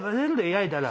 焼いたら。